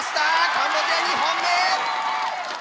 カンボジア２本目！